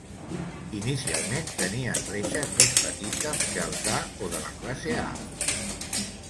Inicialment tenien reixes més petites que els A o de la classe A.